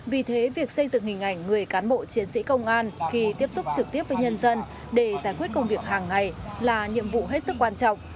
vì thế việc xây dựng hình ảnh người cán bộ chiến sĩ công an khi tiếp xúc trực tiếp với nhân dân để giải quyết công việc hàng ngày là nhiệm vụ hết sức quan trọng